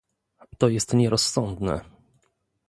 To jest nierozsądne